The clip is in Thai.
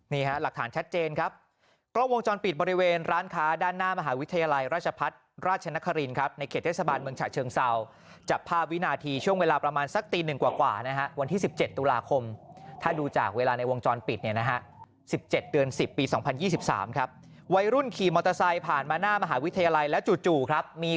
หลักฐานชัดเจนครับกล้องวงจรปิดบริเวณร้านค้าด้านหน้ามหาวิทยาลัยราชพัฒน์ราชนครินครับในเขตเทศบาลเมืองฉะเชิงเซาจับภาพวินาทีช่วงเวลาประมาณสักตีหนึ่งกว่านะฮะวันที่๑๗ตุลาคมถ้าดูจากเวลาในวงจรปิดเนี่ยนะฮะ๑๗เดือน๑๐ปี๒๐๒๓ครับวัยรุ่นขี่มอเตอร์ไซค์ผ่านมาหน้ามหาวิทยาลัยแล้วจู่ครับมี